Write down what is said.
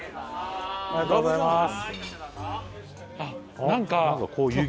ありがとうございます。